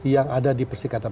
yang ada di persikatan